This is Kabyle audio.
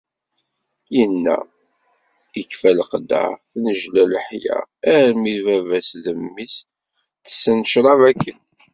Yenna: “Ikfa leqder, tennejla leḥya, armi baba-s d mmi-s, tessen ccrab akken."